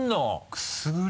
くすぐり？